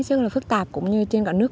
rất phức tạp cũng như trên cả nước